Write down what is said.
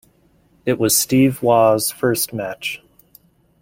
It was Steve Waugh's first match.